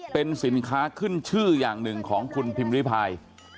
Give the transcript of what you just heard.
เป็นสินค้าขึ้นชื่ออย่างหนึ่งของคุณพิมพ์ริพาย